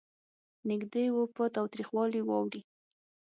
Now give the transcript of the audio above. نېږدې و په تاوتریخوالي واوړي.